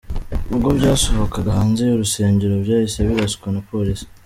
Ubwo byasohokaga hanze y’urusengero byahise biraswa na polisi.